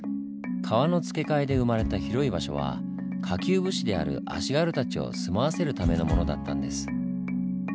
川の付けかえで生まれた広い場所は下級武士である「足軽」たちを住まわせるためのものだったんです。